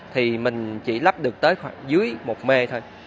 thì mình chỉ lắp được tới khoảng dưới một mê thôi